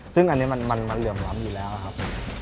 ซึ่งอันนี้มันเหลื่อมล้ำอยู่แล้วครับ